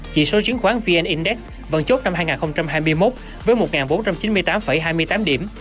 chỉ số chứng khoán vn index vận chốt năm hai nghìn hai mươi một với một bốn trăm chín mươi tám hai mươi tám điểm